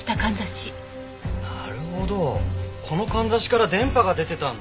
なるほどこの簪から電波が出てたんだ。